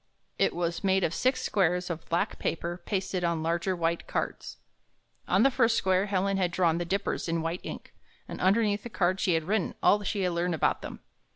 It was made of six squares of black paper pasted on larger white cards. On the first square Helen had drawn the Dippers in white ink, and underneath on the card she had written all she had learned about them.